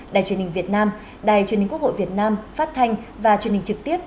đài truyền hình việt nam đài truyền hình quốc hội việt nam phát thanh và truyền hình trực tiếp